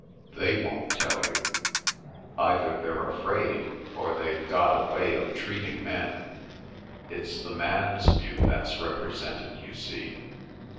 They won't tell you. Either they're afraid, or they've got a way of treating men. It's the man's view that's represented, you see.